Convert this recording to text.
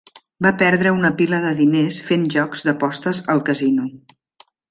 Va perdre una pila de diners fent jocs d'apostes al casino.